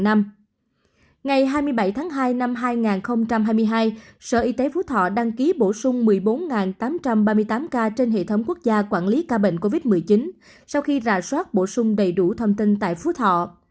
ngày hai mươi bảy tháng hai năm hai nghìn hai mươi hai sở y tế phú thọ đăng ký bổ sung một mươi bốn tám trăm ba mươi tám ca trên hệ thống quốc gia quản lý ca bệnh covid một mươi chín sau khi rà soát bổ sung đầy đủ thông tin tại phú thọ